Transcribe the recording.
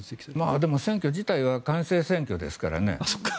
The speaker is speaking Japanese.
でも、選挙自体は官製選挙ですからね。